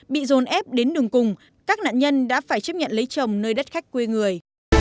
bị dồn ép đến đường cùng các nạn nhân đã phải chấp nhận lấy chồng nơi đất khách quê người